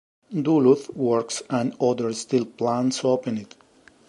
Duluth Works and other steel plants opened.